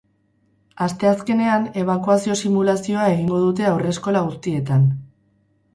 Asteazkenean, ebakuazio-simulazioa egingo dute haurreskola guztietan.